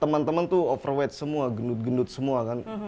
teman teman tuh overweight semua gendut gendut semua kan